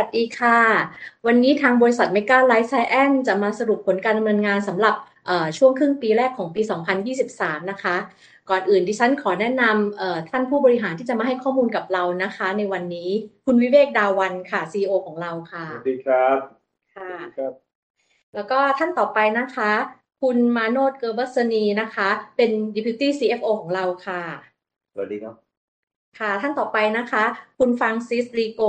สวัสดีค่ะวันนี้ทางบริษัทเมก้าไลฟ์ไซแอนซ์จะมาสรุปผลการดำเนินงานสำหรับเอ่อช่วงครึ่งปีแรกของปี2023นะคะก่อนอื่นดิฉันขอแนะนำเอ่อท่านผู้บริหารที่จะมาให้ข้อมูลกับเรานะคะในวันนี้คุณวิเวกดาวันค่ะ CEO ของเราค่ะสวัสดีครั บ. kha สวัสดีครับแล้วก็ท่านต่อไปนะคะคุณมาโนชเกอร์เบอ์ซานีนะคะเป็น Deputy CFO ของเราค่ะสวัสดีครั บ. ท่านต่อไปคุณ Francis Le Go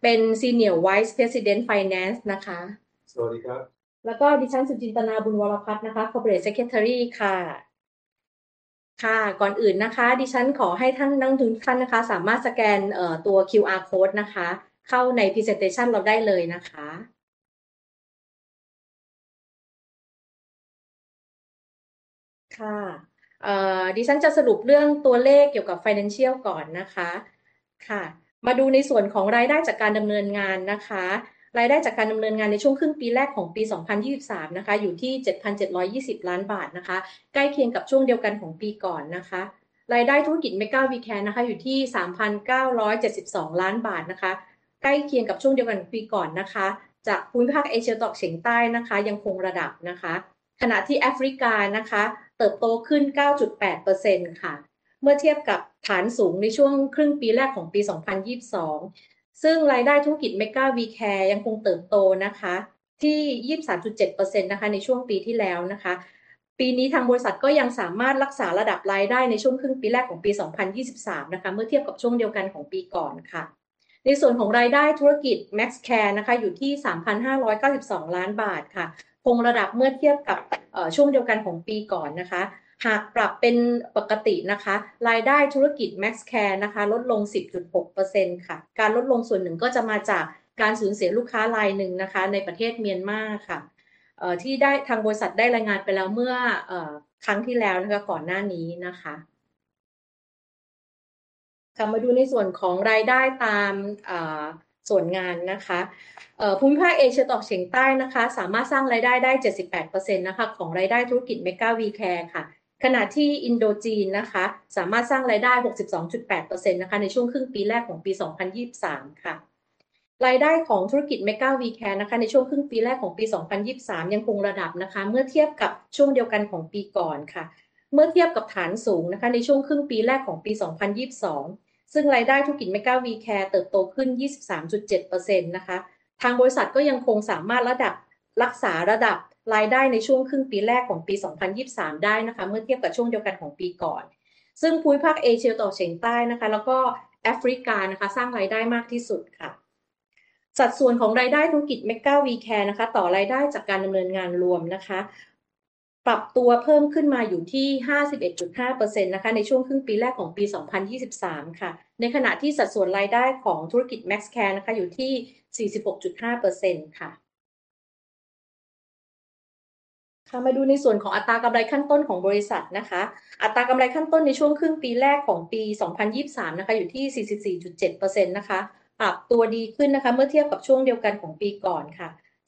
เป็น Senior Vice President, Finance. สวัสดีครับดิฉัน Sujintana Boonvorapat, Corporate Secretary. ก่อนอื่นดิฉันขอให้ท่านนั่งทุกท่านสามารถสแกนตัว QR code เข้าใน presentation เราได้เลย. ดิฉันจะสรุปเรื่องตัวเลขเกี่ยวกับ financial ก่อน. มาดูในส่วนของรายได้จากการดำเนินงาน. รายได้จากการดำเนินงานในช่วงครึ่งปีแรกของปี 2023 อยู่ที่ THB 7,720 million ใกล้เคียงกับช่วงเดียวกันของปีก่อน. รายได้ธุรกิจ Mega We Care อยู่ที่ THB 3,972 million ใกล้เคียงกับช่วงเดียวกันของปีก่อน. จากภูมิภาค Southeast Asia ยังคงระดับขณะที่ Africa เติบโตขึ้น 9.8%. เมื่อเทียบกับฐานสูงในช่วงครึ่งปีแรกของปี 2022 ซึ่งรายได้ธุรกิจ Mega We Care ยังคงเติบโตที่ 23.7% ในช่วงปีที่แล้ว. ปีนี้ทางบริษัทก็ยังสามารถรักษาระดับรายได้ในช่วงครึ่งปีแรกของปี 2023 เมื่อเทียบกับช่วงเดียวกันของปีก่อน. ในส่วนของรายได้ธุรกิจ Maxxcare อยู่ที่ THB 3,592 million คงระดับเมื่อเทียบกับช่วงเดียวกันของปีก่อน. หากปรับเป็นปกติรายได้ธุรกิจ Maxxcare ลดลง 10.6%. การลดลงส่วนหนึ่งก็จะมาจากการสูญเสียลูกค้ารายหนึ่งในประเทศเมียนมาร์ที่ได้ทางบริษัทไดในส่วนของการลงทุนนะคะบริษัทได้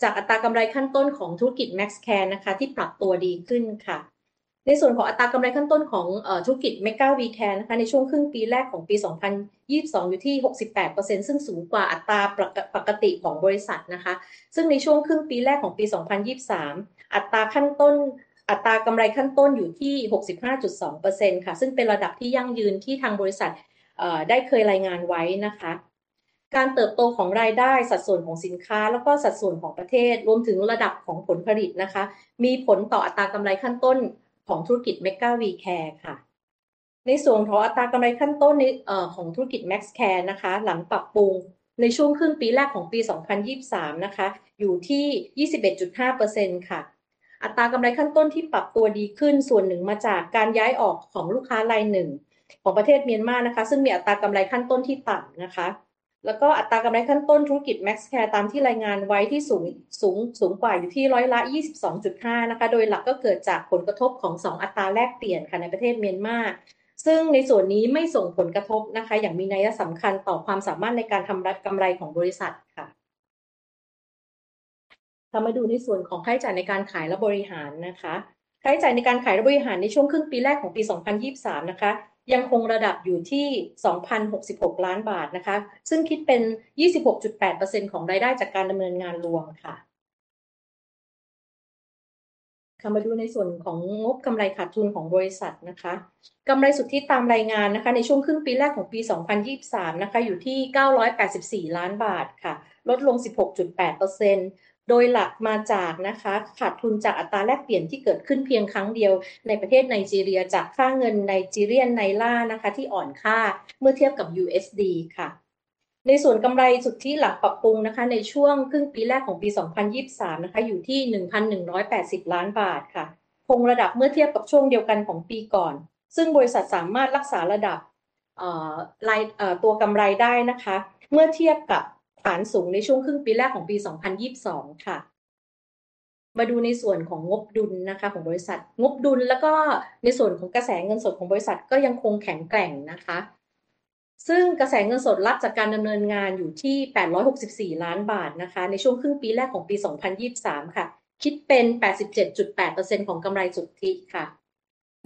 มีการลงทุนในสินทรัพย์ที่มีตัวตนนะคะจำนวนร้อยยี่สิบแปดล้านบาทค่ะโดยหลักก็จะมาจากการก่อสร้างโรงงานในประเทศไทยนะคะแล้วก็โรงงานในประเทศออสเตรเลียค่ะในส่วนของกำไรเอ่อในส่วนของกระแสเงินสดนะคะจากการจากกิจกรรมเอ่อจัดหาเงินนะคะในช่วงครึ่งปีแรกของปี2023นะคะอยู่ที่เจ็ดร้อยแปดสิบล้านบาทนะคะโดยหลักจะมาจากการจ่ายเง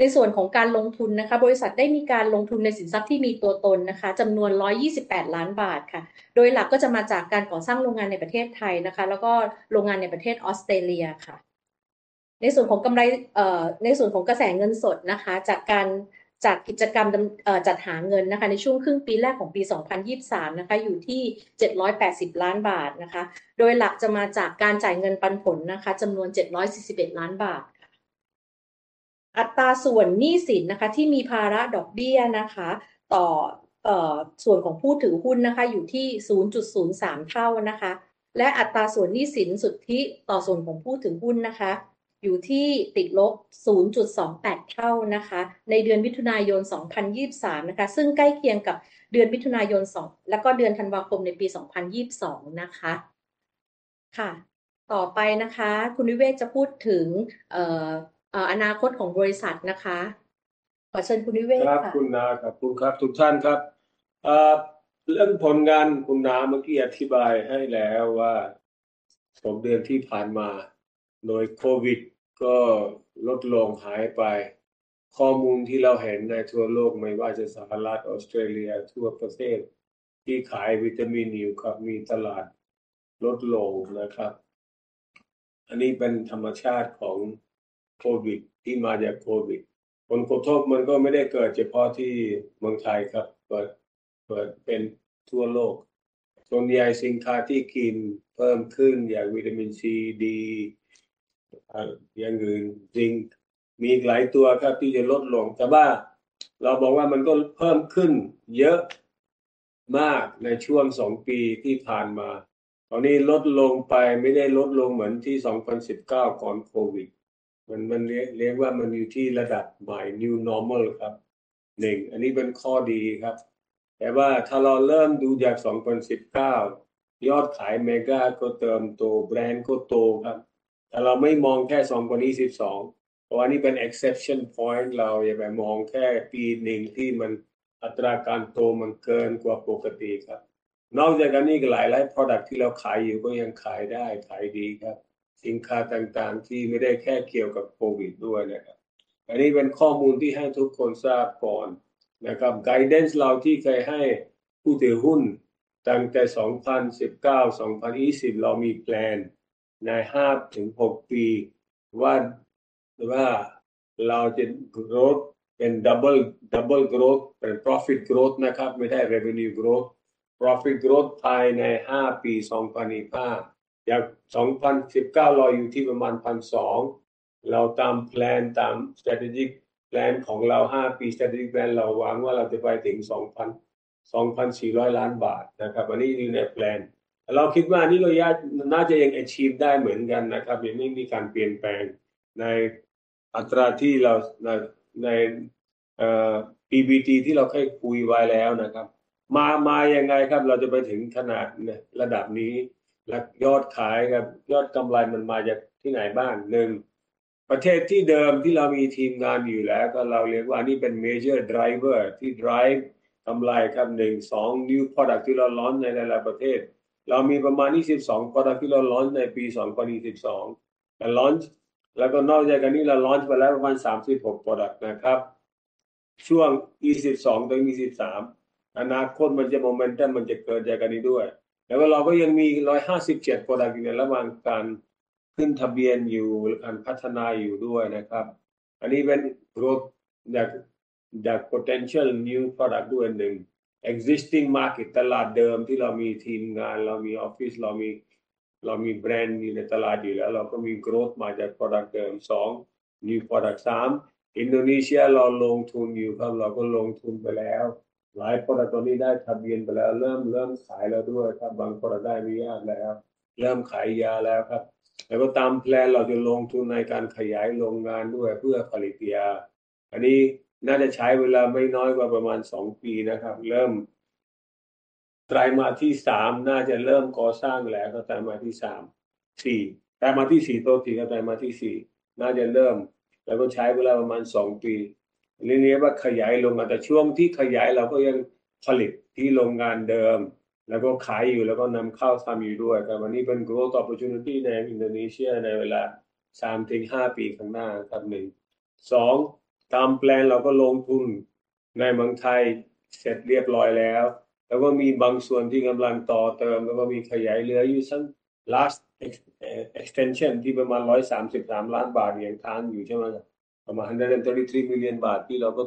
ินปันผลนะคะจำนวนเจ็ดร้อยสี่สิบเอ็ดล้านบาทค่ะอัตราส่วนหนี้สินนะคะที่มีภาระดอกเบี้ยนะคะต่อเอ่อส่วนของผู้ถือหุ้นนะคะอยู่ที่ศูนย์จุดศูนย์สามเท่านะคะและอัตราส่วนหนี้สินสุทธิต่อส่วนของผู้ถือหุ้นนะคะอยู่ที่ติดลบศูนย์จุดสองแปดเท่านะคะในเดือนมิถุนายน2023นะคะซึ่งใกล้เคียงกับเดือนมิถุนายนสองแล้วก็เดือนธันวาคมในปี2022นะคะค่ะต่อไปนะคะคุณนิเวศน์จะพูดถึงเอ่ออนาคตของบริษัทนะคะขอเชิญคุณนิเวศน์ค่ ะ. ครับคุณนาขอบคุณครับทุกท่านครับเอ่อเรื่องผลงานคุณนาเมื่อกี้อธิบายให้แล้วว่าหกเดือนที่ผ่านมาโดยโควิดก็ลดลงหายไปข้อมูลที่เราเห็นในทั่วโลกไม่ว่าจะสหรัฐออสเตรเลียทั่วประเทศที่ขายวิตามินอยู่ครับมีตลาดลดลงนะครับอันนี้เป็นธรรมชาติของโควิดที่มาจากโควิดผลกระทบมันก็ไม่ได้เกิดเฉพาะที่เมืองไทยครับเกิดเกิดเป็นทั่วโลกส่วนใหญ่สินค้าที่กินเพิ่มขึ้นอย่างวิตามินซีดีอย่างอื่นจริงมีอีกหลายตัวครับที่จะลดลงแต่ว่าเราบอกว่ามันก็เพิ่มขึ้นเยอะมากในช่วงสองปีที่ผ่านมาตอนนี้ลดลงไปไม่ได้ลดลงเหมือนที่2019ก่อนโควิดมันมันเรียกเรียกว่ามันอยู่ที่ระดับใหม่ New Normal ครับหนึ่งอันนี้เป็นข้อดีครับแต่ว่าถ้าเราเริ่มดูจาก2019ยอดขายเมก้าก็เติมโตแบรนด์ก็โตครับแต่เราไม่มองแค่2022เพราะว่านี่เป็น inflection point เราอย่าไปมองแค่ปีหนึ่งที่มันอัตราการโตมันเกินกว่าปกติครับนอกจากการนี้อีกหลายๆ Product ที่เราขายอยู่ก็ยังขายได้ขายดีครับสินค้าต่างๆที่ไม่ได้แค่เกี่ยวกับโควิดด้วยนะครับอันนี้เป็นข้อมูลที่ให้ทุกคนทราบก่อนนะครับ Guidance เราที่เคยให้ผู้ถือหุ้นตั้งแต่ 2019-2020 เรามีแพลนในห้าถึงหกปีว่าว่าเราจะ Growth เป็น Double Double Growth เป็น Profit Growth นะครับไม่ได้ Revenue Growth, Profit Growth ภายในห้าปี2025จาก2019เราอยู่ที่ประมาณพันสองเราตามแพลนตาม Strategic Plan ของเราห้าปี Strategic Plan เราหวังว่าเราจะไปถึงสองพันสองพันสี่ร้อยล้านบาทนะครับอันนี้อยู่ในแพลนเราคิดว่านี้ระยะน่าจะยัง Achieve ได้เหมือนกันนะครับยังไม่มีการเปลี่ยนแปลงในอัตราที่เราในเอ่อ EBT ที่เราเคยคุยไว้แล้วนะครับมามายังไงครับเราจะไปถึงขนาดระดับนี้และยอดขายครับยอดกำไรมันมาจากที่ไหนบ้างหนึ่งประเทศที่เดิมที่เรามีทีมงานอยู่แล้วก็เราเรียกว่าอันนี้เป็น Major Driver ที่ Drive กำไรครับหนึ่งสอง New Product ที่เรา Launch ในหลายๆประเทศเรามีประมาณยี่สิบสอง Product ที่เรา Launch ในปี2022และ Launch แล้วก็นอกจากนี้เรา Launch ไปแล้วประมาณสามสิบหก Product นะครับช่วงยี่สิบสองถึงยี่สิบสามอนาคตมันจะโมเมนตัมมันจะเกิดจากอันนี้ด้วยแต่ว่าเราก็ยังมียี่ห้าสิบเจ็ด Product อยู่ในระหว่างการขึ้นทะเบียนอยู่และพัฒนาอยู่ด้วยนะครับอันนี้เป็น Growth จากจาก Potential New Product ด้วยหนึ่ง Existing Market ตลาดเดิมที่เรามีทีมงานเรามีออฟฟิศเรามีเรามีแบรนด์อยู่ในตลาดอยู่แล้วเราก็มี Growth มาจาก Product เดิมสอง New Product สาม Indonesia เราลงทุนอยู่ค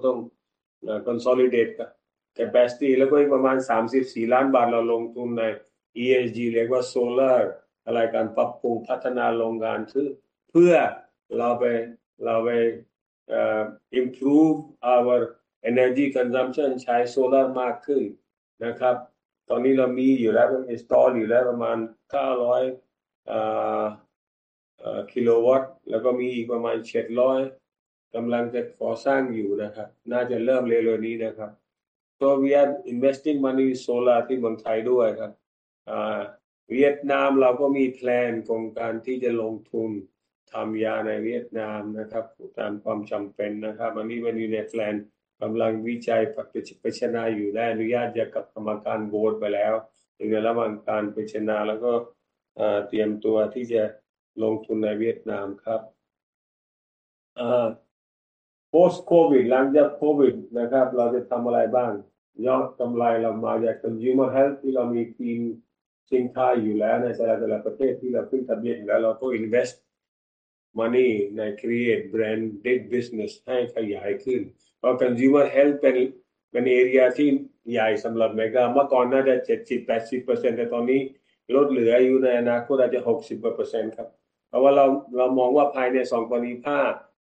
รั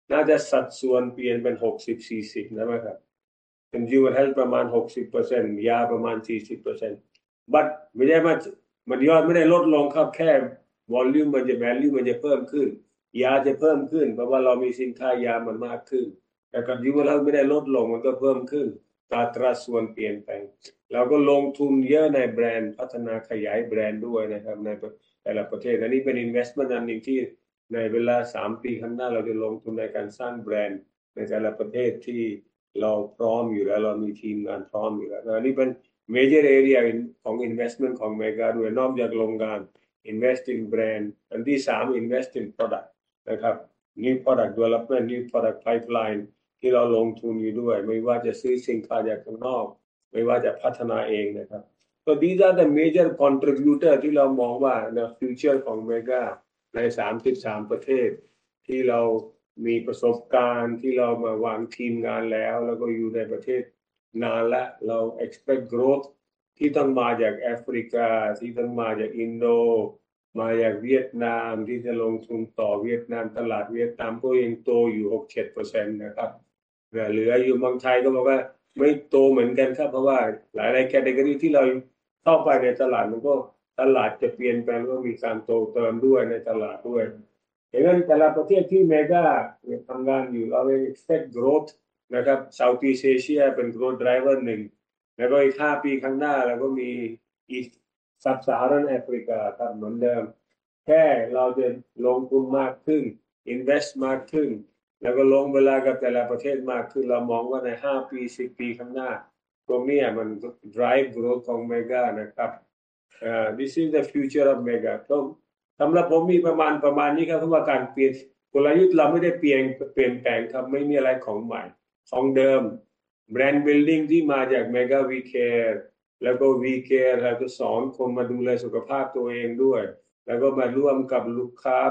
บเราก็ลงทุนไปแล้วหทเราลงทุนใน ESG หรือว่า Solar อะไร มาจากเวียดนามที่จะลงทุนต่อ. เวียดนามตลาดเวียดนามก็ยังโตอยู่ 6-7% นะครับแต่เหลืออยู่บางไทยก็บอกว่าไม่โตเหมือนกันครับเพราะว่าหลายๆ Category ที่เราเข้าไปในตลาดมันก็ตลาดจะเปลี่ยนแปลงแล้วก็มีการโตตามด้วยในตลาดด้วย. แต่ละประเทศที่เมก้าทำงานอยู่เราเลย Expect Growth นะครับ Southeast Asia เป็น Growth Driver หนึ่งแล้วก็อีก 5 ปีข้างหน้าเราก็มีอีกซับซาฮารันแอฟริกาครับเหมือนเดิมแค่เราจะลงทุนมากขึ้น Invest มากขึ้น แล้วก็ลงไปแล้วกับแต่ละประเทศมากขึ้น. เรามองว่าใน 5 ปี-10 ปีข้างหน้าตรงนี้มัน Drive Growth ของเมก้า นะครับ. This is the future of Mega ก็สำหรับผมมีประมาณนี้ครับเพราะว่าการเปลี่ยนกลยุทธ์เราไม่ได้เปลี่ยนแปลงครับ ไม่มีอะไรของใหม่ของเดิม. Brand Building ที่มาจาก Mega We Care แล้วก็ WE CARE เราก็สอนคนมาดูแลสุขภาพตัวเองด้วยแล้วก็มาร่วมกับลูกค้า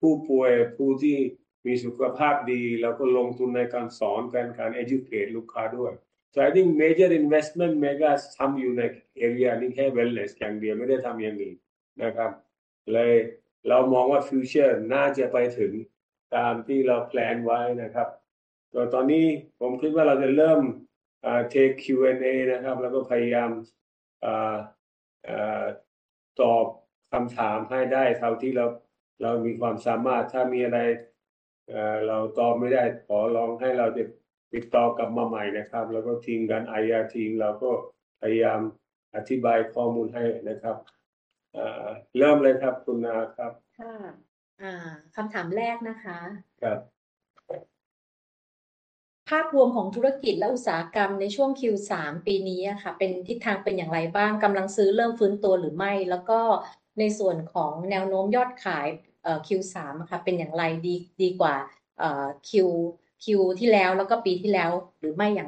ผู้ป่วยผู้ที่มีสุขภาพดีเราก็ลงทุนในการสอนการ Educate ลูกค้าด้วย. I think Major Investment เมก้าทำอยู่ใน Area นี้แค่ Wellness อย่างเดียวไม่ได้ทำอย่างอื่นนะครับเลยเรามองว่า Future น่าจะไปถึงตามที่เรา Plan ไว้นะครับ. แต่ตอนนี้ผมคิดว่าเราจะเริ่ม Take Q&A นะครับแล้วก็พยายามตอบคำถามให้ได้เท่าที่เรามีความสามารถถ้ามีอะไรเราตอบไม่ได้ ขอร้องให้เราจะติดต่อกลับมาใหม่นะครับ. แล้วก็ทีมงาน IR ทีมเราก็พยายามอธิบายข้อมูลให้นะครับเริ่มเลยครับ คุณนาครับ. ค่ะอ่าคำถามแรกนะคะครับภาพรวมของธุรกิจและอุตสาหกรรมในช่วง Q3 ปีนี้ค่ะเป็นทิศทางเป็นอย่างไรบ้างกำลังซื้อเริ่มฟื้นตัวหรือไม่แล้วก็ในส่วนของแนวโน้มยอดขาย Q3 ค่ะเป็นอย่างไรดีดีกว่าเอ่อ Q Q ที่แล้วแล้วก็ปีที่แล้วหรือไม่อ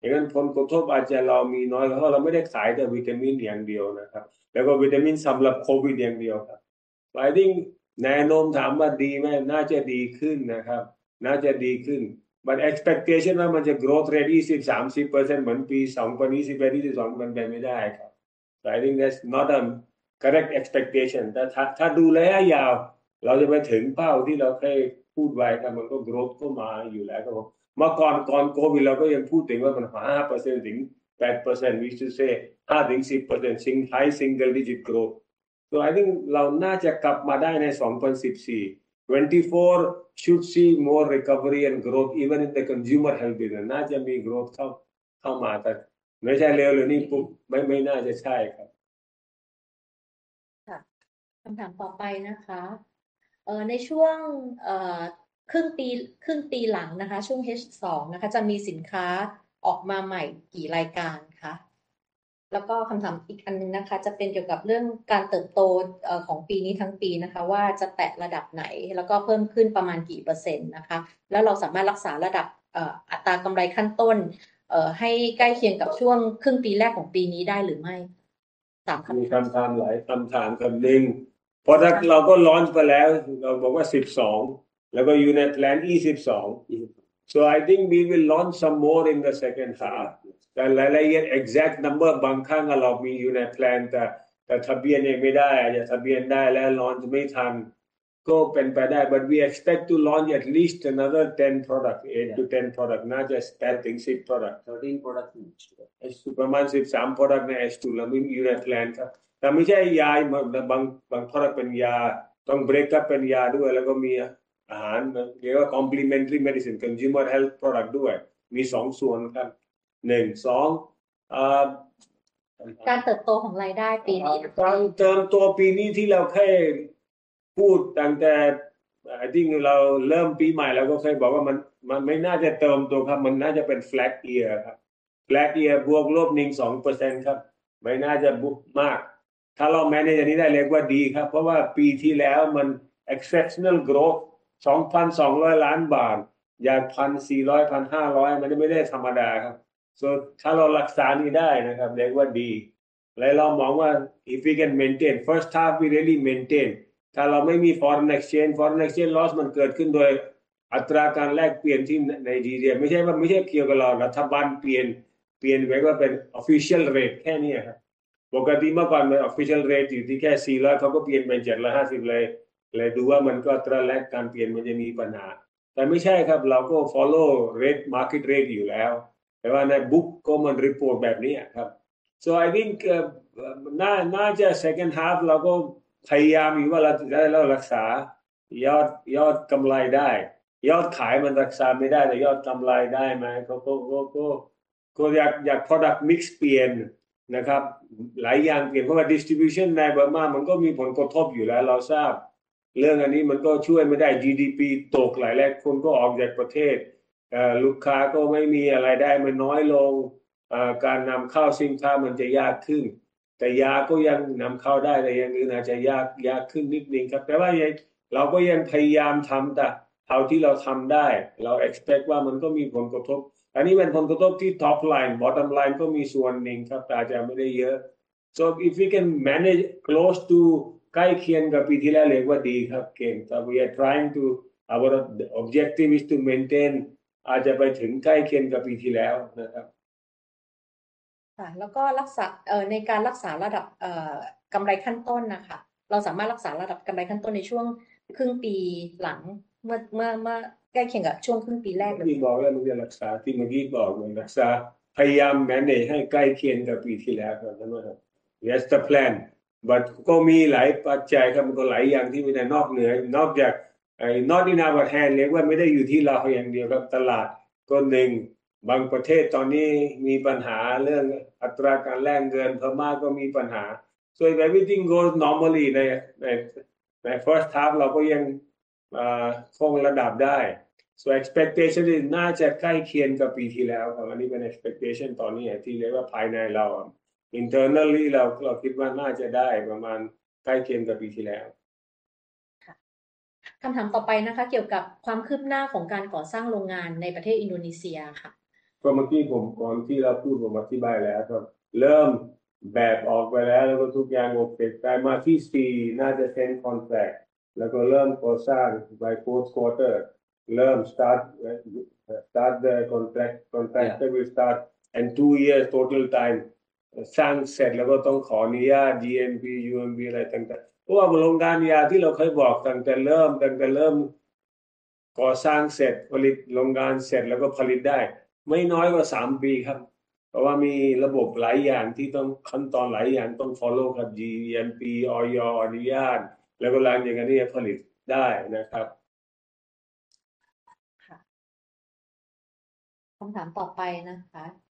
ย่างไร I think ตาม report นะครับ report Global Report, Nutrition Report และหลายๆที่ครับก็ Covid เป็น impact สูงมากครับทำให้ถามว่าแค่ไตรมาสเดียวมันจะฟื้นหมดอ่ะ ไม่ครับ. แต่ว่าที่เมื่อกี้ผมบอกเมก้าไม่ได้ขายสินค้าเฉพาะสำหรับโควิดนะครับเราไม่ได้พัฒนาสินค้าช่วงโควิดอย่างเดียวเราทำมานานแล้วแต่มีส่วนหนึ่งที่มันเกี่ยวกับโควิดลดลงแล้วนะครับอันนี้เป็น factor อยู่แล้วครับที่ผ่านมา 6 เดือนมันก็เรา factor อยู่แล้วว่าเราไม่ได้ expect ว่ามันจะ Double Shoot ขึ้นมา. New area ที่เราทำงานอยู่มีหลายๆ product ที่เรามีอยู่แล้วมันก็มี growth ครับ. Our portfolio มัน balance มากกว่าคนอื่นนะครับเรามียาเรามี Consumer Health เรามีอะไรที่เขาเรียกว่าเป็น Self Made made ด้วยเพราะฉะนั้นผลกระทบอาจจะเรามีน้อยเพราะเราไม่ได้ขายแต่วิตามินอย่างเดียวนะครับแล้วก็วิตามินสำหรับโควิด อย่างเดียวครับ. I think แนวโน้มถามว่าดีไหมน่าจะดีขึ้นนะครับ น่าจะดีขึ้น. Expectation ว่ามันจะ growth rate 20-30% เหมือนปี 2021, 2022 มันเป็นไปไม่ได้ครับ. I think that's not a correct expectation แต่ถ้าถ้าดูระยะยาวเราจะไปถึงเป้าที่เราเคยพูดไว้ครับมันก็ growth เข้ามาอยู่แล้วครับ. ผมเมื่อก่อนก่อนโควิดเราก็ยังพูดถึงว่ามัน 5%-8%. We shoul 2024 should see more recovery and growth even in the consumer health business น่าจะมี Growth เข้าเข้ามาครับไม่ใช่เร็วเลยนี่ปุ๊บไม่ไม่น่าจะใช่ครั บ. ค่ะคำถามต่อไปนะคะเอ่ อ... ในช่วงเอ่อครึ่งปีครึ่งปีหลังนะคะช่วง H2 นะคะจะมีสินค้าออกมาใหม่กี่รายการคะแล้วก็คำถามอีกอันนึงนะคะจะเป็นเกี่ยวกับเรื่องการเติบโตของปีนี้ทั้งปีนะคะว่าจะแตะระดับไหนแล้วก็เพิ่มขึ้นประมาณกี่เปอร์เซ็นต์นะคะแล้วเราสามารถรักษาระดับอัตรากำไรขั้นต้นเอ่อให้ใกล้เคียงกับช่วงครึ่งปีแรกของปีนี้ได้หรือไม่...มีคำถามหลายคำถามคำหนึ่ง product เราก็ launch ไปแล้วเราบอกว่า 12 แล้วก็ Unit Plan 22. I think we will launch some more in the second half. แต่หลายๆ year exact number บางครั้งเรามี Unit Plan ที่ทะเบียนยังไม่ได้หรือทะเบียนได้แล้ว launch ไม่ทัน ก็เป็นไปได้. We expect to launch at least another 10 product, 8-10 product ไม่ใช่แค่ 10 product. 13 product. Approximately 13 product in Unit Plan. Not medicine. Some product is medicine. Must break up into medicine too. Also have food called complementary medicine consumer health product too. Have 2 parts. 1, 2. การเติบโตของรายได้ปีนี้ค่ ะ. การเติบโตปีนี้ที่เราเคยพูดตั้งแต่ I think เราเริ่มปีใหม่เราก็เคยบอกว่ามันมันไม่น่าจะเติบโตครับมันน่าจะเป็น Flat Year ครับ Flat Year ±1-2% ครับไม่น่าจะมากถ้าเรา manage อันนี้ได้เรียกว่าดีครับเพราะว่าปีที่แล้วมัน Exceptional Growth 2,200 million จาก 1,400-1,500 million มันไม่ได้ธรรมดาครับ. ส่วนถ้าเรารักษานี้ได้นะครับเรียกว่าดีและเรามองว่า If we can maintain first half we really maintain ถ้าเราไม่มี Foreign Exchange, Foreign Exchange Loss มันเกิดขึ้นโดยอัตราการแลกเปลี่ยนที่ในดีเดือดไม่ใช่ว่าไม่ใช่เกี่ยวกับเรารัฐบาลเปลี่ยนเปลี่ยนไปว่าเป็น Official Rate แค่นี้ครับปกติเมื่อก่อนเป็น Official Rate อยู่ที่แค่ 400 เขาก็เปลี่ยนเป็น 750 เลยเลยดูว่ามันก็อัตราแลกการเปลี่ยนมันจะมีปัญหา แต่ไม่ใช่ครับ. เราก็ Follow Rate Market Rate อยู่แล้วแต่ว่าใน Book ก็มัน Report แบบนี้อ่ะครับ I think น่าน่าจะ Second half เราก็พยายามอยู่ว่าเราจะได้รักษายอดยอดกำไรได้ยอดขายมันรักษาไม่ได้แต่ยอดกำไรได้ไหมก็ก็ก็อยากอยาก Product Mix เปลี่ยนนะครับหลายอย่างเปลี่ยนเพราะว่า Distribution ในพม่ามันก็มีผลกระทบอยู่แล้ว. เราทราบเรื่องอันนี้มันก็ช่วยไม่ได้. GDP ตกหลายๆ คนก็ออกจากประเทศ. ลูกค้าก็ไม่มีรายได้ มันน้อยลง. การนำเข้าสินค้ามันจะยากขึ้นแต่ยาก็ยังนำเข้าได้แต่อย่างอื่นอาจจะยาก ยากขึ้นนิดนึงครับ. แต่ว่าเราก็ยังพยายามทำแต่เท่าที่เราทำได้เรา Expect ว่ามันก็มีผลกระทบอันนี้เป็นผลกระทบที่ Top Line, Bottom Line ก็มีส่วนหนึ่งครับ แต่อาจจะไม่ได้เยอะ. If we can manage close to ใกล้เคียงกับปีที่แล้วเรียกว่าดีครับ เก่งครับ. We are trying to our objective is to maintain อาจจะไปถึงใกล้เคียงกับปีที่แล้วนะครับ. ค่ะแล้วก็รักษาเอ่อในการรักษาระดับเอ่อกำไรขั้นต้นน่ะค่ะเราสามารถรักษาระดับกำไรขั้นต้นในช่วงครึ่งปีหลังเมื่อเมื่อใกล้เคียงกับช่วงครึ่งปีแรก-เมื่อกี้บอกแล้วมันจะรักษาที่เมื่อกี้บอกรักษาพยายาม Manage ให้ใกล้เคียงกับปีที่แล้วครับ. That's the plan. But ก็มีหลายปัจจัยครับมันก็หลายอย่างที่มีแต่นอกเหนือนอกจากไอ Not in our hand เรียกว่าไม่ได้อยู่ที่เราอย่างเดียวครับตลาดก็หนึ่งบางประเทศตอนนี้มีปัญหาเรื่องอัตราการแลกเงินพม่าก็มีปัญหา So if everything goes normally ในในใน First half เราก็ยังคงระดับได้ So Expectation น่าจะใกล้เคียงกับปีที่แล้วครับอันนี้เป็น Expectation ตอนนี้ที่เรียกว่าภายในเร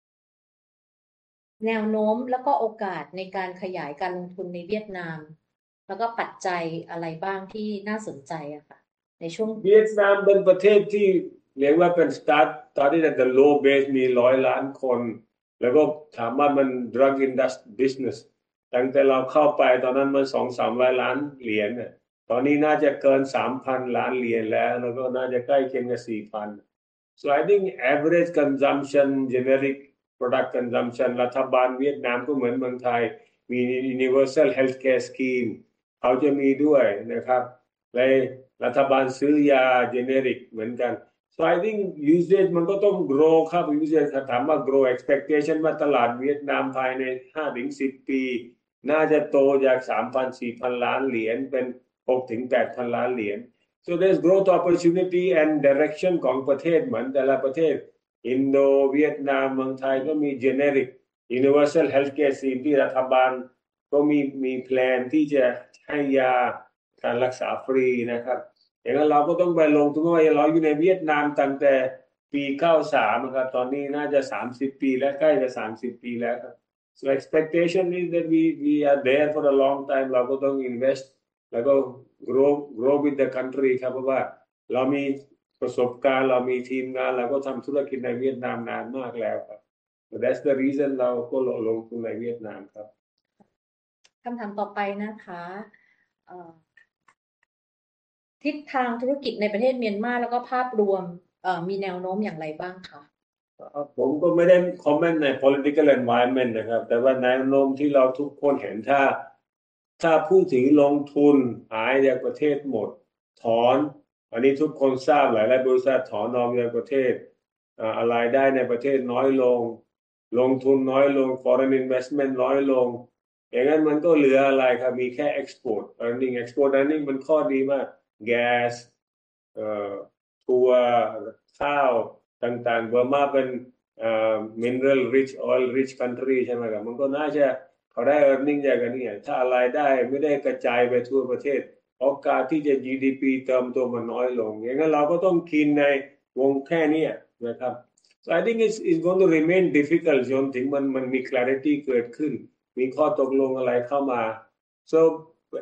าอค ะ? ผมก็ไม่ได้ comment ใน political environment นะครับ. แนวโน้มที่เราทุกคนเห็นถ้าผู้ถือลงทุนหายจากประเทศหมดถอนอันนี้ทุกคนทราบหลายๆบริษัทถอนออกจากประเทศอะไรได้ในประเทศน้อยลงลงทุนน้อยลง foreign investment น้อยลง อย่างนั้นมันก็เหลืออะไรครับ? มีแค่ Export Earning. Export Earning มันข้อดีมากแก๊สทัวร์ข้าวต่างๆเมียนมาร์เป็น Mineral-rich, oil-rich country ใช่ไหมครับมันก็น่าจะเขาได้ Earning จากอันนี้ถ้ารายได้ไม่ได้กระจายไปทั่วประเทศโอกาสที่จะ GDP เติมตัวมันน้อยลง อย่างนั้นเราก็ต้องกินในวงแค่นี้นะครับ. I think it is going to remain difficult จนถึงมันมันมี Clarity เกิดขึ้น มีข้อตกลงอะไรเข้ามา.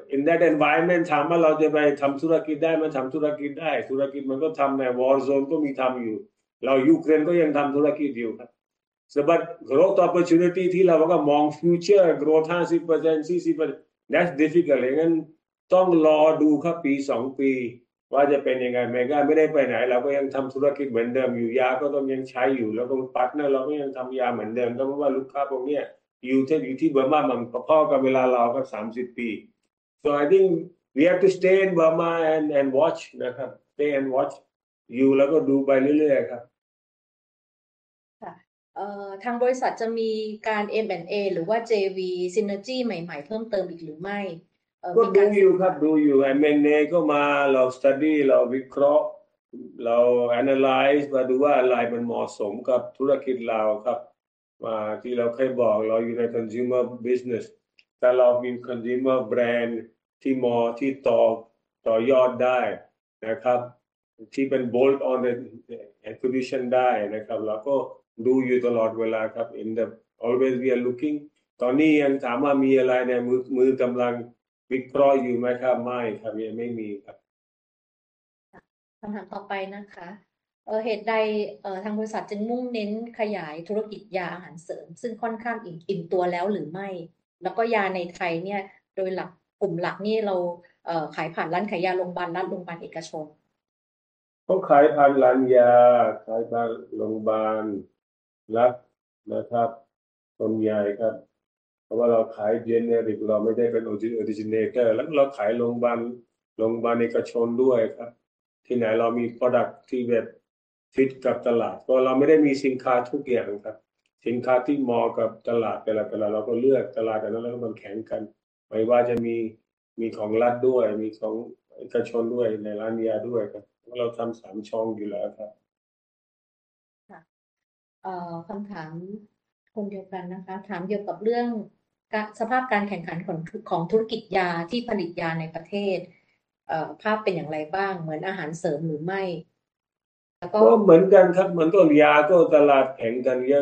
In that environment ถามว่าเราจะไปทำธุรกิจได้ไหมทำธุรกิจได้ธุรกิจมันก็ทำใน War Zone ก็มีทำอยู่ เรายูเครนก็ยังทำธุรกิจอยู่ครับ. Growth Opportunity ที่เราก็มอง Future Growth 50% 40% That's difficult. อย่างนั้นต้องรอดูครับปี 2 ปี ว่าจะเป็นยังไง. เมก้าไม่ได้ไปไหนเราก็ยังทำธุรกิจเหมือนเดิมอยู่ยาก็ต้องยังใช้อยู่แล้วก็ Partner เราก็ยังทำยาเหมือนเดิมเพราะว่าลูกค้าพวกเนี้ยอยู่กันอยู่ที่เมียนมาร์มาพร้อมกับเวลาเราก็ 30 ปี. I think we have to stay in เมียนมาร์ and watch นะครับ. Stay and watch อยู่แล้วก็ดูไปเรื่อยๆ ครับ. ค่ะทางบริษัทจะมีการ M&A หรือว่า JV Synergy ใหม่ๆ เพิ่มเติมอีกหรือไม่? ก็ดูอยู่ครับดูอยู่ M&A ก็มาเรา Study เราวิเคราะห์เรา Analyze มาดูว่าอะไรมันเหมาะสมกับธุรกิจเราครับ. ที่เราเคยบอกเราอยู่ใน Consumer Business ถ้าเรามี Consumer Brand ที่มองที่ต่อต่อยอดได้นะครับที่เป็น bolt-on acquisition ได้นะครับ เราก็ดูอยู่ตลอดเวลาครับ. In the always we are looking ตอนนี้ยังถามว่ามีอะไรในมือ กำลังวิเคราะห์อยู่ไหมครับ? ไม่ครับ ยังไม่มีครับ. คำถามต่อไปนะคะเอ่อเหตุใดเอ่อทางบริษัทจึงมุ่งเน้นขยายธุรกิจยาอาหารเสริมซึ่งค่อนข้างอิ่มอิ่มตัวแล้วหรือไม่แล้วก็ยาในไทยเนี่ยโดยหลักกลุ่มหลักนี่เราเอ่อขายผ่านร้านขายยาโรงพยาบาลรัฐโรงพยาบาลเอกช น. ก็ขายผ่านร้านยาขายผ่านโรงพยาบาลรัฐนะครับโรงใหญ่ครับเพราะว่าเราขาย Generic เราไม่ได้เป็น Origin Originator แล้วเราขายโรงพยาบาลโรงพยาบาลเอกชนด้วยครับที่ไหนเรามี Product ที่แบบฟิตกับตลาดเพราะเราไม่ได้มีสินค้าทุกอย่างครับสินค้าที่เหมาะกับตลาดแต่ละตลาดเราก็เลือกตลาดนั้นแล้วมันแข็งกันไม่ว่าจะมีมีของรัฐด้วยมีของเอกชนด้วยในร้านยาด้วยครับเพราะเราทำสามช่องอยู่แล้วครั บ. ค่ะเอ่อคำถามคนเดียวกันนะคะถามเกี่ยวกับเรื่องการสภาพการแข่งขันของของธุรกิจยาที่ผลิตยาในประเทศเอ่อภาพเป็นอย่างไรบ้างเหมือนอาหารเสริมหรือไม่แล้วก็- It's the same. The drug market is very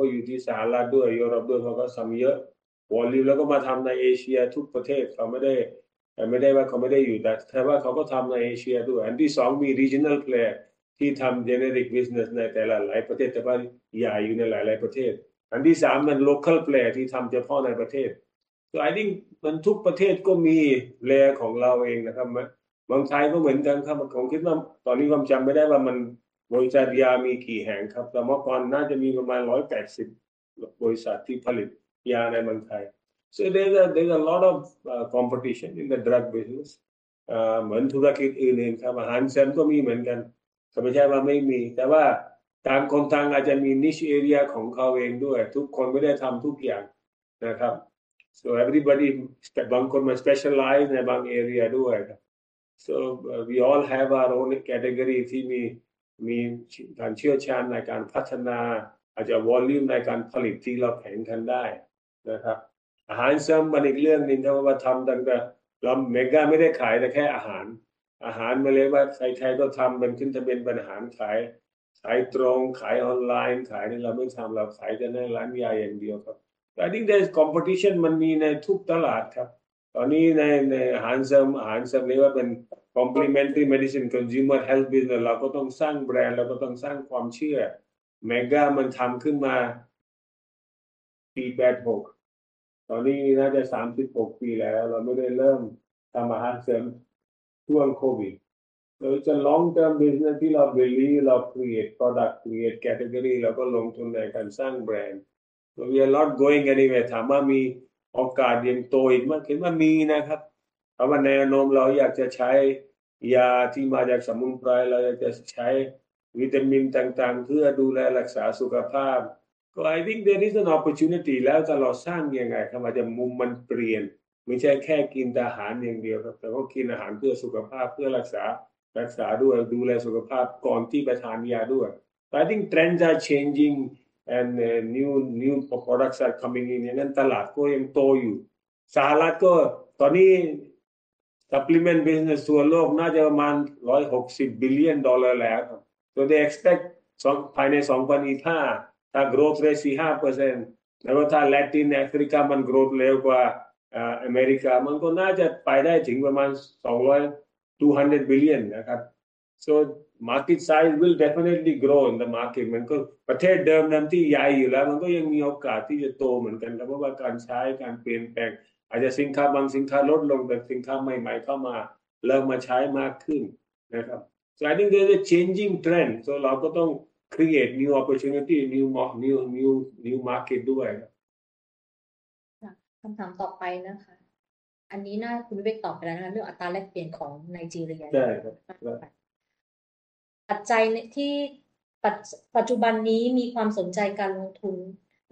competitive, both imported and domestic. Large companies import products because the Generic Industry has 3 parts. MNCs are global. They make Generic products, but their major markets are in the U.S. and Europe. They do a lot of Volume and also operate in every country in Asia. It's not that they are not present, but they also operate in Asia. The second part is Regional Players who do Generic Business in several countries, but the drugs are in many countries. The third part is Local Players who operate only in their own country. I think every country has its own players. Thailand is the same. I think I don't remember how many drug companies there are now, but before, there were probably about 180 companies producing drugs in Thailand. There is a lot of competition in the Drug Business. It's like other businesses. Dietary supplements also have competition, but it's not that there isn't any. Different companies may have their own Niche Area. Not everyone does everything. Everybody, some people specialize in certain Areas. We all have our own category where we have expertise in development, perhaps in production Volume where we can compete. Dietary supplements are another matter because since Mega started, we don't just sell food. Food is something anyone can make. It's registered as food, sold direct, sold online, sold this way. We don't do that. We only sell in pharmacies. I think there is competition in every market. Currently, in dietary supplements, dietar ถ้า Latin Africa มัน growth เลวกว่า America มันก็น่าจะไปได้ถึงประมาณ200 $200 billion นะครั บ. Market size will definitely grow in the market เหมือนกับประเทศเดิมๆที่ใหญ่อยู่แล้วมันก็ยังมีโอกาสที่จะโตเหมือนกันนะครั บ. เพราะว่าการใช้การเปลี่ยนแปลงอาจจะสินค้าบางสินค้าลดลงแต่สินค้าใหม่ๆเข้ามาเริ่มมาใช้มากขึ้นนะครั บ. I think there is a changing trend เราก็ต้อง create new opportunity new new new new market ด้ว ย. ค่ะคำถามต่อไปนะคะอันนี้น่าคุณวิเวกตอบไปแล้วนะคะเรื่องอัตราแลกเปลี่ยนของไนจีเรียได้ครับปัจจัยที่ปัจุบันนี้มีความสนใจการลงทุน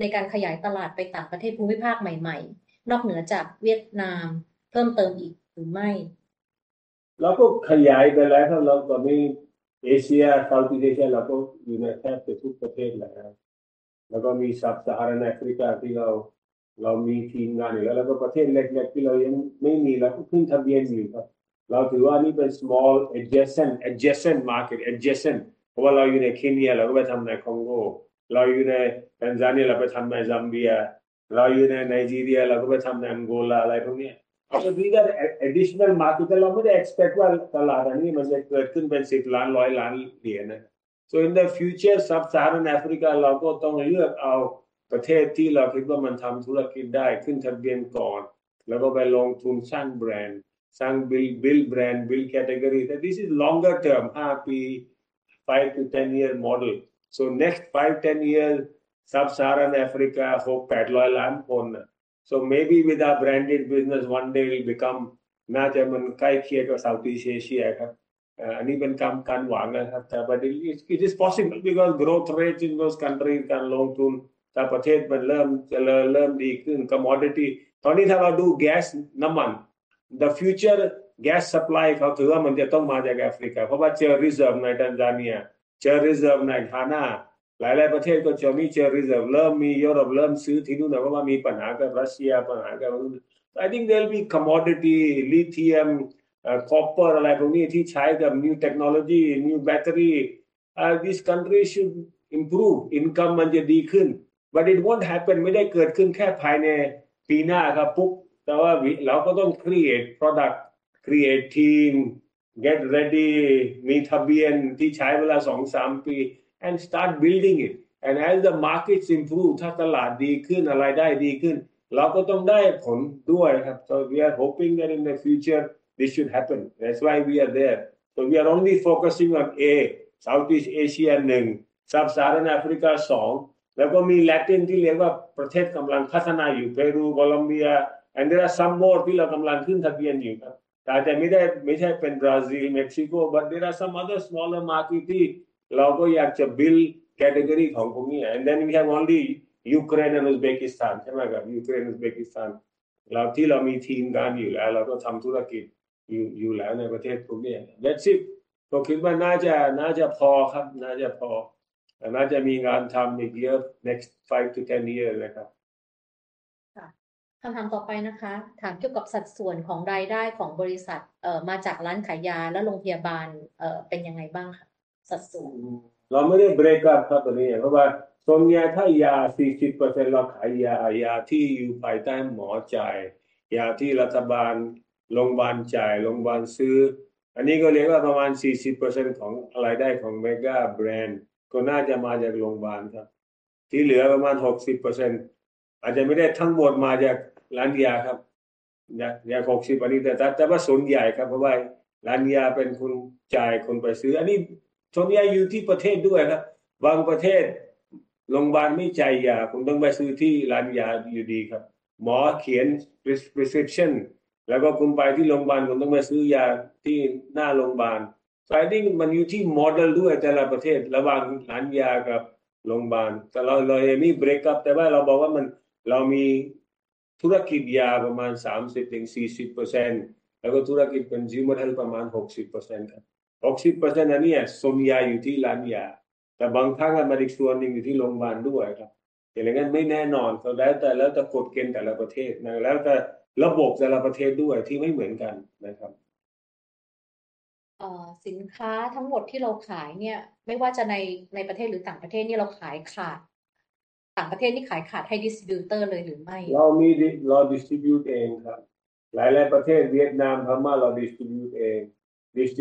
ในการขยายตลาดไปต่างประเทศภูมิภาคใหม่ๆนอกเหนือจากเวียดนามเพิ่มเติมอีกหรือไม่เราก็ขยายไปแล้วครับเราตอนนี้ Asia, Southeast Asia เราก็อยู่ในแทบจะทุกประเทศแล้วครับ. ก็มีซับซาฮารันแอฟริกาที่เราเรามีทีมงานอยู่แล้วแล้วก็ประเทศเล็กๆที่เรายังไม่มี เราก็ขึ้นทะเบียนอยู่ครับ. เราถือว่านี่เป็น Small adjacent adjacent market adjacent เพราะว่าเราอยู่ในเคเนียเราก็ไปทำในคงโกเราอยู่ในแทนซาเนียเราไปทำในซัมเบียเราอยู่ในไนจีเรียเราก็ไปทำในแองโกลา อะไรพวกเนี้ย. These are Additional Market แต่เราไม่ได้ Expect ว่าตลาดอันนี้มันจะเกิดขึ้นเป็น $10 million $100 million นะ. In the Future ซับซาฮารันแอฟริกาเราก็ต้องเลือกเอาประเทศที่เราคิดว่ามันทำธุรกิจได้ขึ้นทะเบียนก่อนแล้วก็ไปลงทุนสร้างแบรนด์สร้าง Build Build brand Build Category. This is Longer Term 5 ปี 5-10 Year Model. Next 5-10 Year ซับซาฮารันแอฟริกา Hope 8 million คน นะ. Maybe with Our branded business One Day will Become น่าจะเหมือนกับ Southeast Asia ครับ. อันนี้เป็นคำคำว่า นะครับ. It is Possible Because Growth Rate in Those Countries การลงทุนถ้าประเทศมันเริ่ม เริ่มดีขึ้น. commodity ตอนนี้ถ้าเราดูแก๊สน้ำมัน The Future Gas Supply เขาถือว่ามันจะต้องมาจากแอฟริกาเพราะว่าเชลล์ Reserve ในแทนซาเนียเชลล์ Reserve ในกานาหลายๆประเทศก็จะมีเชลล์ Reserve เริ่มมียุโรปเริ่มซื้อที่นู่นแล้ว เพราะว่ามีปัญหากับรัสเซีย. ปัญหา I think there will be commodity, lithium, copper อะไรพวกนี้ที่ใช้กับ New Technology New Battery. These Country Should Improve Income มันจะดีขึ้น. It Won't Happen ไม่ได้เกิดขึ้นแค่ภายในปีหน้าครับ. แต่ว่าเราก็ต้อง Create Product, Create Team, Get Ready มีทะเบียนที่ใช้เวลา 2-3 ปี. Start Building It. As the Market Improve ถ้าตลาดดีขึ้นอะไรได้ดีขึ้น เราก็ต้องได้ผลด้วยครับ. We are hoping that in the future this should happen. That's why we are there. We are only focusing on Southeast Asia 1, Sub-Saharan Africa 2, and Latin, which are called developing countries, Peru, Colombia, and there are some more that we are registering. Maybe not, not Panama, Brazil, Mexico, but there are some other smaller markets that we also want to build category of these. We have only Ukraine and Uzbekistan, right? Ukraine, Uzbekistan, we, where we already have a team, we are already doing business in these countries. That's it. I think it should be enough, should be enough, but there should be a lot more work to do next 5-10 year indeed. ค่ะคำถ This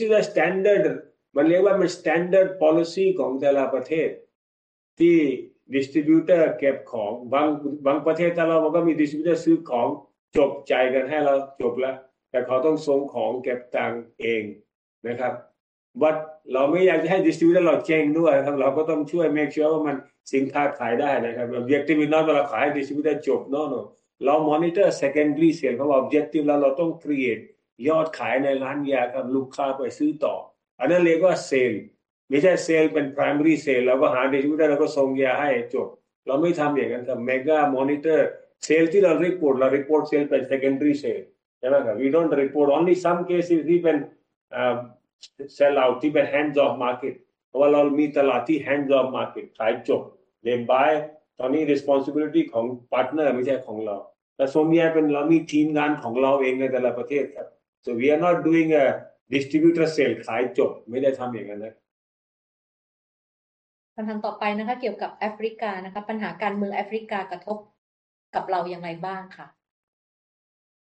is a standard, มันเรียกว่าเป็น standard policy ของแต่ละประเทศที่ distributor เก็บของ. บางบางประเทศถ้าเราก็มี distributor ซื้อของจบจ่ายเงินให้เราจบ แล้วแต่เขาต้องส่งของเก็บตังค์เองนะครับ. เราไม่อยากจะให้ distributor เราเจ๊งด้วยครับ. เราก็ต้องช่วย make sure ว่ามันสินค้าขายได้นะครับ. objective เราขายให้ distributor จบเนาะ. เรา monitor secondary sales เพราะว่า objective แล้วเราต้อง create ยอดขายในร้านยาครับ. ลูกค้าไปซื้อต่ออันนั้นเรียกว่า Sale... ไม่ใช่ Sale เป็น primary sales แล้วก็หา distributor แล้วก็ส่งยาให้จบ เราไม่ทำอย่างงั้นครับ. Mega Monitor Sale ที่เรารีพอร์ตเรารีพอร์ต Sale เป็น secondary sales ใช่ไหมครับ? We don't report only some cases ที่เป็น sell-out ที่เป็น hands-off market เพราะว่าเรามีตลาดที่ hands-off market ขายจบ. They buy ตอนนี้ responsibility ของ partner ไม่ใช่ของเราแต่ส่วนใหญ่เป็น เรามีทีมงานของเราเองในแต่ละประเทศครับ. We are not doing a distributor Sale ขายจบ ไม่ได้ทำอย่างนั้นนะ. คำถามต่อไปนะคะเกี่ยวกับแอฟริกานะคะปัญหาการเมืองแอฟริกากระทบกับเราอย่างไรบ้างค่ะ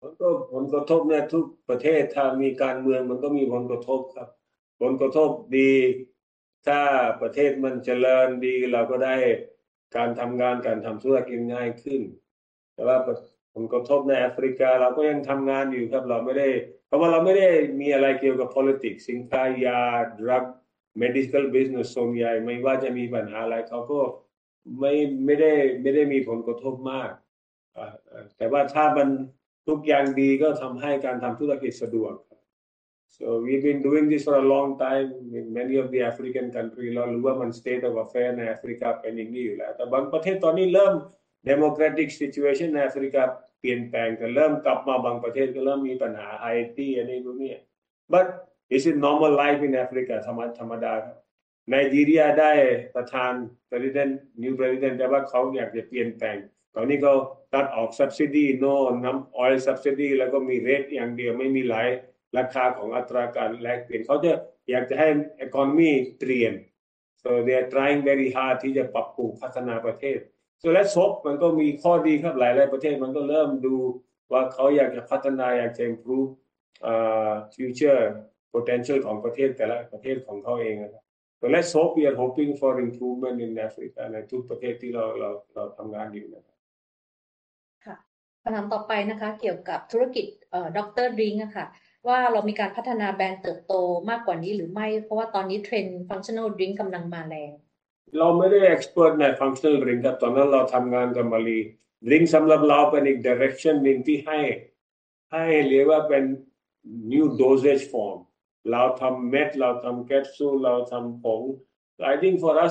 มันก็ผลกระทบในทุกประเทศถ้ามีการเมืองมันก็มีผลกระทบครับผลกระทบดีถ้าประเทศมันเจริญดีเราก็ได้การทำงานการทำธุรกิจง่ายขึ้นแต่ว่าผลกระทบในแอฟริกาเราก็ยังทำงานอยู่ครับเราไม่ได้เพราะว่าเราไม่ได้มีอะไรเกี่ยวกับ politics สินค้ายา Drug Medical Business ส่วนใหญ่ไม่ว่าจะมีปัญหาอะไรเขาก็ไม่ไม่ได้ไม่ได้มีผลกระทบมากแต่ว่าถ้ามันทุกอย่างดีก็ทำให้การทำธุรกิจสะดวกครับ We've been doing this for a long time in many of the African countries. เรารู้ว่ามัน state of affairs ใน Africa เป็นอย่างนี้อยู่แล้วแต่บางประเทศตอนนี้เริ่ม democratic situation ใน Africa เปลี่ยนแปลงก็เริ่มกลับมาบางประเทศก็เริ่มมีปัญหา IT อันนี้ นู่นนี่. This is normal life in Africa ธรรมดาครับ. Nigeria ได้ประธาน President, new President แปลว่าเขาอยากจะเปลี่ยนแปลงตอนนี้เขาตัดออก subsidy โน่นน้ำ fuel subsidy แล้วก็มี rate อย่างเดียวไม่มีหลายราคาของอัตราการแลกเปลี่ยนเขาจะอยากจะให้ economy เปลี่ยน. They are trying very hard ที่จะปรับปรุงพัฒนาประเทศ. Let's hope มันก็มีข้อดีครับหลายๆประเทศมันก็เริ่มดูว่าเขาอยากจะพัฒนาอยากจะ improve future potential ของประเทศแต่ละประเทศของเขาเองนะครับ. Let's hope we are hoping for improvement in Africa ในทุกประเทศที่เราเรา เราทำงานอยู่นะครับ. ค่ะคำถามต่อไปนะคะเกี่ยวกับธุรกิจเอ่อ Doctor Drink อ่ะค่ะว่าเรามีการพัฒนาแบรนด์เติบโตมากกว่านี้หรือไม่เพราะว่าตอนนี้เทรนด์ Functional Drink กำลังมาแรงเราไม่ได้ expert ใน functional drink ครับ. ตอนนั้นเราทำงานกับ Malee Drink. สำหรับเราเป็นอีก direction หนึ่งที่ให้ให้หรือว่าเป็น new dosage form. เราทำเม็ดเราทำแคปซูล เราทำผง. I think for us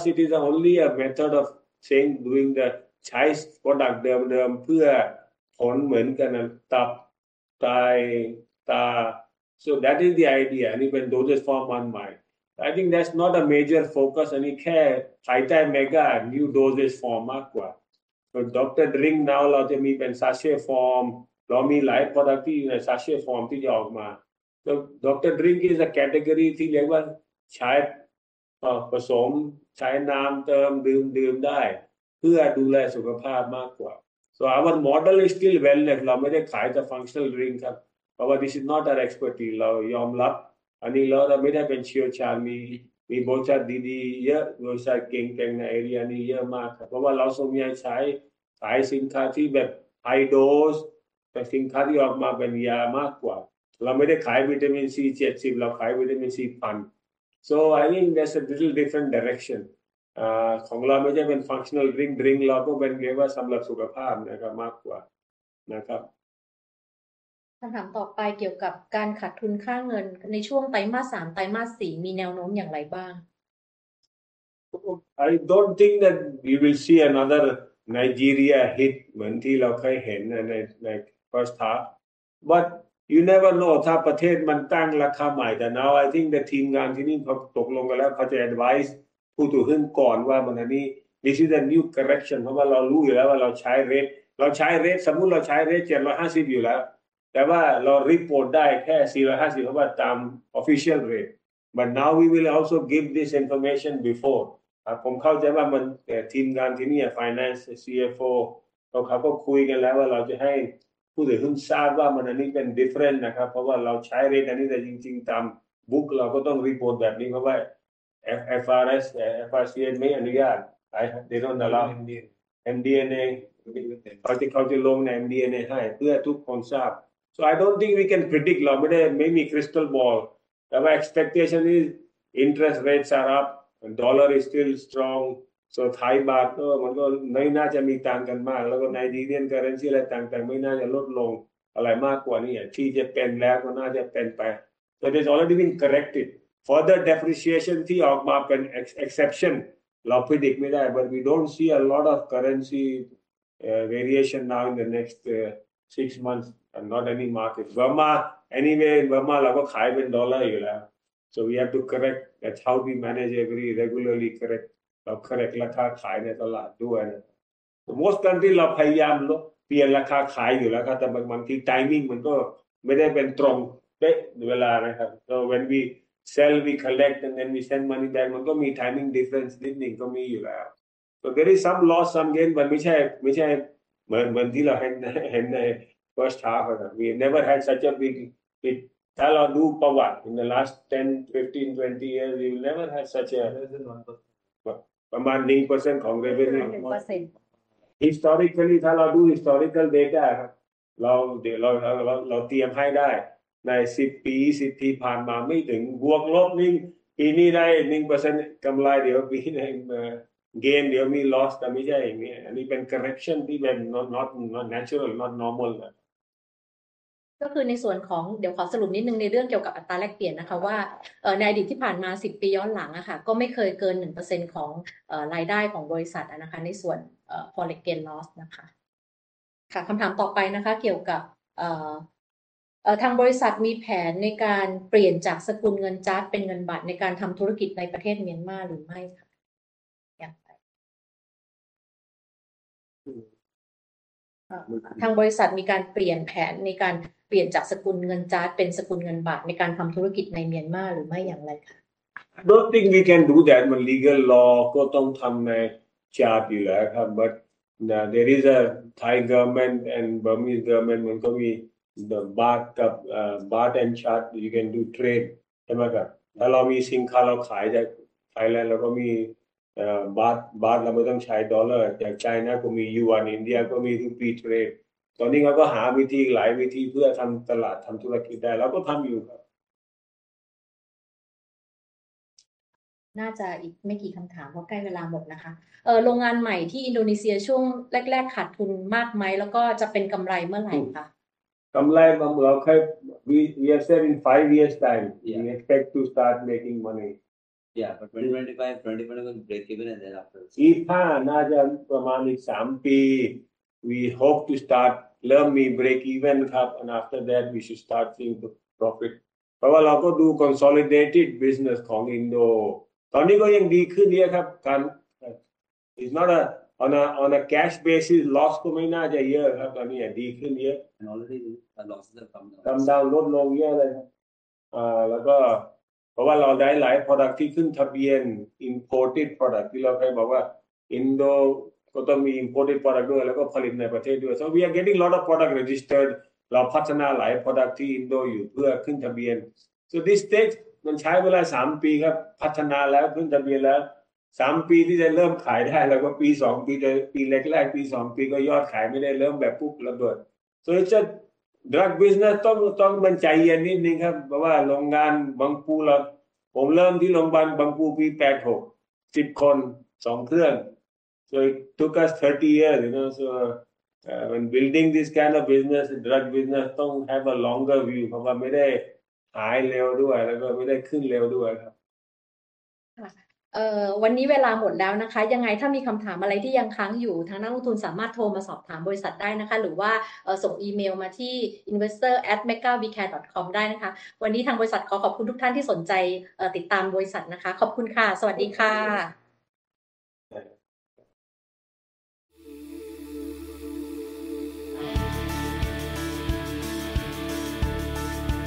it is only a method of saying doing the ขาย product เดิมๆเพื่อผลเหมือนกันนะตับไต ตา. That is the idea. อันนี้เป็น dosage form หนึ่งใหม่. I think that's not a major focus. อันนี้แค่ขายแทน Mega new dosage form มากกว่า. Doctor Drink Now เราจะมีเป็น sachet form. เรามีหลาย product ที่ใน sachet form ที่จะออกมา. Doctor Drink is a category ที่เรียกว่าใช้ผสมใช้น้ำเติมดื่มๆได้ เพื่อดูแลสุขภาพมากกว่า. Our model is still wellness. เราไม่ได้ขายแต่ functional drink ครับ. เพราะว่า this is not our expertise. เรายอมรับอันนี้เราไม่ได้เป็นเชี่ยวชาญมีมีบริษัทดีๆเยอะบริษัทเก่งๆใน area นี้เยอะมากครับ. เพราะว่าเราส่วนใหญ่ขายขายสินค้าที่แบบ high dose เป็นสินค้าที่ออกมาเป็นยามากกว่า. เราไม่ได้ขาย Vitamin C 70. เราขาย Vitamin C 1,000. I think that's a little different direction. ของเราไม่ใช่เป็น functional drink drink. เราก็เป็นเรียกว่าสำหรับสุขภาพนะครับ มากกว่านะครับ. คำถามต่อไปเกี่ยวกับการขาดทุนค่าเงินในช่วงไตรมาสสามไตรมาสสี่มีแนวโน้มอย่างไรบ้าง I don't think that we will see another Nigeria hit เหมือนที่เราเคยเห็นในใน First half. You never know ถ้าประเทศมันตั้งราคาใหม่แต่ Now I think the ทีมงานที่นี่เขาตกลงกันแล้วเขาจะ Advice ผู้ถือหุ้นก่อนว่ามันอันนี้ This is a new correction เพราะว่าเรารู้อยู่แล้วว่าเราใช้ rate เราใช้ rate สมมติเราใช้ rate 750 อยู่แล้วแต่ว่าเรารีพอร์ตได้แค่ 450 เพราะว่าตาม official rate. Now we will also give this information before ครับผมเข้าใจว่ามันทีมงานที่นี่ Finance CFO เขาเขาก็คุยกันแล้วว่าเราจะให้ผู้ถือหุ้นทราบว่ามันอันนี้เป็น different นะครับเพราะว่าเราใช้ rate อันนี้แต่จริงๆตาม book เราก็ต้อง report แบบนี้เพราะว่า FFRS และ FRCN ไม่อนุญาต. They don't allow MD&A เขาที่เขาลงใน MD&A ให้เพื่อทุกคนทราบ. I don't think we can predict. We don't have a crystal ball, but expectation is interest rates are up and dollar is still strong. Thai Baht, it probably won't be much different. Nigerian naira, the difference should not decrease more than this, which would be NGN 8 million. There's already been corrected for the depreciation ที่ออกมาเป็น Exception เราพรีดิคไม่ได้. We don't see a lot of currency variation now in the next 6 months and not any market. พม่า. ในพม่าเราก็ขายเป็นดอลลาร์อยู่แล้ ว. We have to correct that how we manage every regularly correct. เรา Correct ราคาขายในตลาดด้วย Most Country เราพยายามลดเปลี่ยนราคาขายอยู่แล้วครับแต่บางที Timing มันก็ไม่ได้เป็นตรงเป๊ะเวลานะครั บ. When we sell, we collect and then we send money back. มันก็มี Timing Difference นิดนึง ก็มีอยู่แล้ว. there is some loss some gain. แต่ไม่ใช่ไม่ใช่เหมือนเหมือนที่เราเห็นใน first half นะครับ. We never had such a big it. เราดูปาวาใน the last 10, 15, 20 years we will never have such a... ประมาณ 1% ของ Revenue. Historically, ถ้าเราดู Historical Data, เราเดี๋ยวเตรียมให้ได้ใน 10 ปี 20 ปีผ่านมา, ไม่ถึงบวกลบ 1 ปีนี้ได้ 1% กำไร. เดี๋ยวปีหน้า gain, เดี๋ยวมี loss. ไม่ใช่ อย่างนี้. อันนี้เป็น Correction ที่เป็น Not Natural Not Normal. ...ก็คือในส่วนของเดี๋ยวขอสรุปนิดนึงในเรื่องเกี่ยวกับอัตราแลกเปลี่ยนนะคะว่าเอ่อในอดีตที่ผ่านมาสิบปีย้อนหลังอ่ะค่ะก็ไม่เคยเกินหนึ่งเปอร์เซ็นต์ของเอ่อรายได้ของบริษัทอ่ะนะคะในส่วนเอ่อ Forex Gain Loss นะคะค่ะคำถามต่อไปนะคะเกี่ยวกับเอ่อเอ่อทางบริษัทมีแผนในการเปลี่ยนจากสกุลเงินจ๊าดเป็นเงินบาทในการทำธุรกิจในประเทศเมียนมาร์หรือไม่ค่ะอย่างเอ่อทางบริษัทมีการเปลี่ยนแผนในการเปลี่ยนจากสกุลเงินจ๊าดเป็นสกุลเงินบาทในการทำธุรกิจในเมียนมาร์หรือไม่อย่างไรค่ะ I don't think we can do that มัน Legal Law ก็ต้องทำในจ๊าดอยู่แล้วครับ. There is a Thai Government and Burmese Government มันก็มี The บาทกับ Baht and Jpy. You can do trade ใช่ไหมครับ? ถ้าเรามีสินค้าเราขายจาก Thailand เราก็มีบาทบาทเราไม่ต้องใช้ dollar. จาก China ก็มี หยวน. India ก็มีทุก Free Trade. ตอนนี้เราก็หาวิธีอีกหลายวิธีเพื่อทำตลาดทำธุรกิจได้ เราก็ทำอยู่ครับ. น่าจะอีกไม่กี่คำถามเพราะใกล้เวลาหมดนะคะเอ่อโรงงานใหม่ที่อินโดนีเซียช่วงแรกๆขาดทุนมากไหมแล้วก็จะเป็นกำไรเมื่อไหร่คะ กำไร. We are said in 5 years time we expect to start making money. Yeah 2025 break-even and then after. นี่ค่ะน่าจะประมาณอีก 3 ปี. We hope to start เริ่มมี break-even ครับ. After that, we should start seeing the profit เพราะว่าเราก็ดู Consolidated Business ของ Indo ตอนนี้ก็ยังดีขึ้นเยอะครับ. การ It's not On a on a cash basis loss ก็ไม่น่าจะเยอะครับ. ตอนนี้ดีขึ้นเยอะ. Already loss กำไ ร. ลดลงเยอะเลยครับแล้วก็เพราะว่าเราได้หลาย product ที่ขึ้นทะเบียน Imported Product ที่เราเคยบอกว่า Indo ก็ต้องมี Imported Product ด้วยแล้วก็ผลิตในประเทศด้ว ย. We are getting a lot of product registered. เราพัฒนาหลาย product ที่ Indo อยู่ เพื่อขึ้นทะเบียน. This state มันใช้เวลา 3 ปีครับ. พัฒนาแล้วขึ้นทะเบียนแล้ว 3 ปี ที่จะเริ่มขายได้. เราก็ปี 2 ปีปีแรกๆปี 2 ปี ก็ยอดขายไม่ได้เริ่มแบบปุ๊บแล้วด้วย. It's just Drug Business ต้องใจเย็นนิดนึงครับ. เพราะว่าโรงงานบางปูเราผมเริ่มที่โรงงานบางปูปี 86 60 คน 2 เครื่อง. It took us 30 years, you know. When building this kind of business, Drug Business ต้อง have a longer view. เพราะว่าไม่ได้หายเร็วด้วย แล้วก็ไม่ได้ขึ้นเร็วด้วยครับ. ค่ะเอ่อวันนี้เวลาหมดแล้วนะคะยังไงถ้ามีคำถามอะไรที่ยังค้างอยู่ทางนักลงทุนสามารถโทรมาสอบถามบริษัทได้นะคะหรือว่าส่งอีเมลมาที่ investor@megabcare.com ได้นะคะวันนี้ทางบริษัทขอขอบคุณทุกท่านที่สนใจเอ่อติดตามบริษัทนะคะขอบคุณค่ะสวัสดีค่ะ